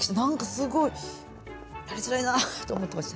すごいやりづらいなと思ってました。